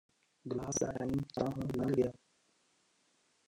glass ਦਾ time ਤਾਂ ਹੁਣ ਲੰਘ ਗਿਆ